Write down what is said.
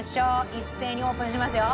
一斉にオープンしますよ。